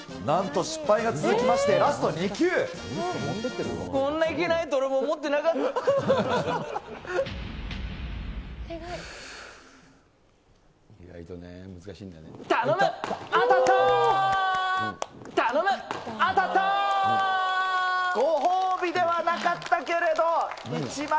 なんと失敗が続きまして、ラストこんないけないと思ってなかった。